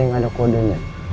yang ada kodonya